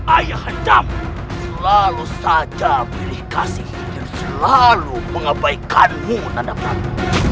ayahandamu selalu saja milih kasih dan selalu mengabaikanmu nanda prabu